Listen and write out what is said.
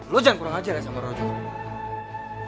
lo jangan kurang ajar ya sama roro juga